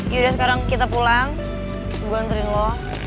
yaudah sekarang kita pulang gue anterin lo